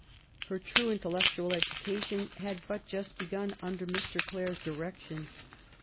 Her true intellectual education had but just begun under Mr. Clare's direction.